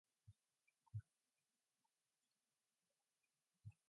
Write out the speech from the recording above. This was another reason that equal numbers of troops were used.